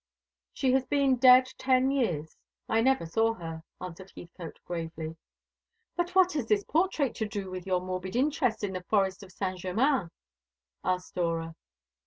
"She has been dead ten years. I never saw her," answered Heathcote gravely. "But what has this portrait to do with your morbid interest in the forest of Saint Germain?" asked Dora.